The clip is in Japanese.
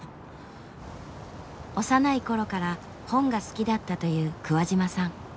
幼い頃から本が好きだったという桑島さん。